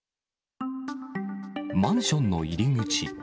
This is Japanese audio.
マンションの入り口。